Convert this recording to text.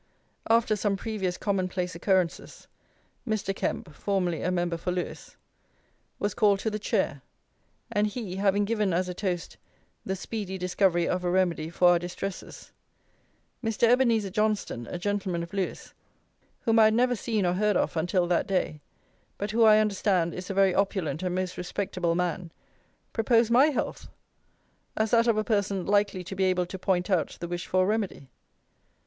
After some previous common place occurrences, Mr. Kemp, formerly a member for Lewes, was called to the chair; and he having given as a toast, "the speedy discovery of a remedy for our distresses," Mr. Ebenezer Johnstone, a gentleman of Lewes, whom I had never seen or heard of until that day, but who, I understand, is a very opulent and most respectable man, proposed my health, as that of a person likely to be able to point out the wished for remedy.